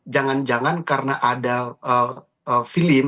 jangan jangan karena ada film yang diperoleh